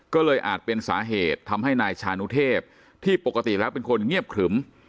ก็เลยอาจเป็นสาเหตุทำให้นายชานุเทพที่ปกติแล้วเป็นคนเงียบขรึม